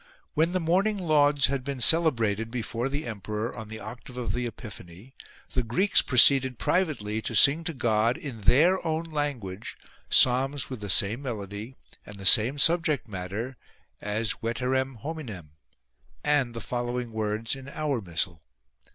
When the morning lauds had been cele brated before the emperor on the octave of the Epiphany, the Greeks proceeded privately to sing to God in their own language psalms with the same melody and the same subject matter as " Feterem hominem " and the following words in our missal.